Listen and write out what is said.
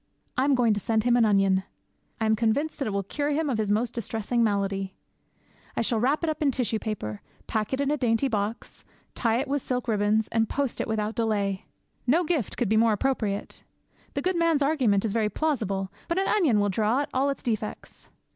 I am going to send him an onion. I am convinced that it will cure him of his most distressing malady. I shall wrap it up in tissue paper, pack it in a dainty box, tie it with silk ribbons, and post it without delay. No gift could be more appropriate. The good man's argument is very plausible, but an onion will draw out all its defects.